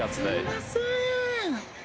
すいません。